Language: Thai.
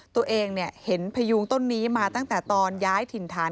ตัวเองเห็นพยูงต้นนี้มาตั้งแต่ตอนย้ายถิ่นฐาน